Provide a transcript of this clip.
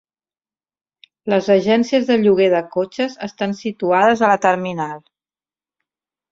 Les agències de lloguer de cotxes estan situades a la terminal.